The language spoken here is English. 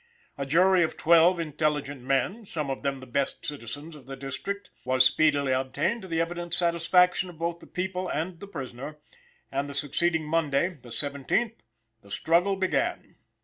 A jury of twelve intelligent men, some of them the best citizens of the District, was speedily obtained to the evident satisfaction of both the people and the prisoner, and the succeeding Monday, the 17th, the struggle began.